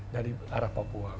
dari arah papua